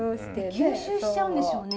吸収しちゃうんでしょうね。